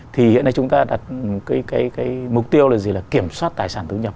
thì hiện nay chúng ta đặt cái mục tiêu là gì là kiểm soát tài sản thu nhập